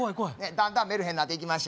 だんだんメルヘンなっていきましたよね。